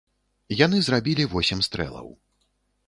Яны зрабілі восем стрэлаў.